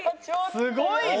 すごいね！